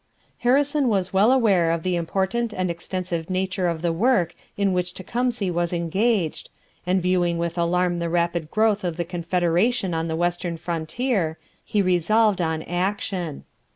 Harrison was well aware of the important and extensive nature of the work in which Tecumseh was engaged, and viewing with alarm the rapid growth of the confederation on the western frontier, he resolved on action.